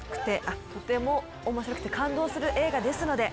あっとても面白くて感動する映画ですので。